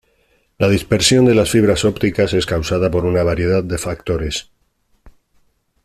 La dispersión de las fibras ópticas es causada por una variedad de factores.